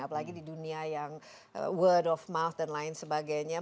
apalagi di dunia yang word of mouth dan lain sebagainya